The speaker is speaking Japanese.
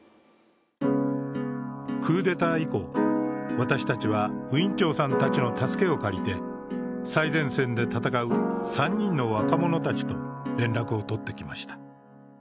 クーデター以降、私たちはウィン・チョウさんたちの助けを借りて、最前線で戦う３人の若者たちと連絡を取ってきました。